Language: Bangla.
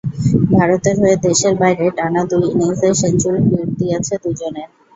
ভারতের হয়ে দেশের বাইরে টানা দুই ইনিংসে সেঞ্চুরির কীর্তি আছে দুজনের।